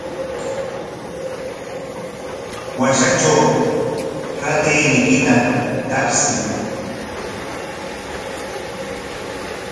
Washatraw ratayniykita tapsiy.